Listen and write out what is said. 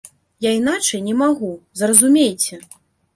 Я іначай не магу, зразумейце.